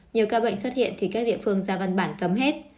nhiều ca bệnh xuất hiện thì các địa phương ra văn bản cấm hết